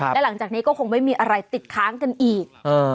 และหลังจากนี้ก็คงไม่มีอะไรติดค้างกันอีก